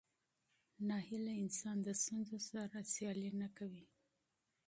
ناهیلي انسان د ستونزو سره مقابله نه کوي.